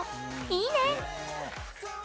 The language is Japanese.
いいね！